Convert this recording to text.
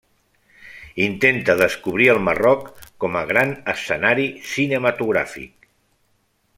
Intenta descobrir el Marroc com a gran escenari cinematogràfic.